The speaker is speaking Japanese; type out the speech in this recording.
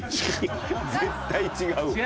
絶対違うわ。